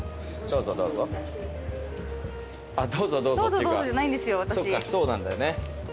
そっかそうなんだよね。